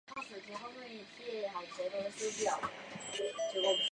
而水笙正默默地在雪谷等着他。